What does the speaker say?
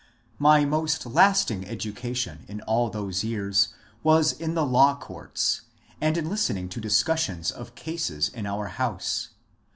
My most lasting education in all those years was in the law courts, and in listening to discussions of cases in our house.